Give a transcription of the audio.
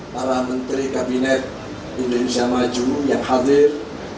para menteri kabinet indonesia maju yang hadir